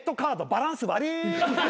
バランス悪っ！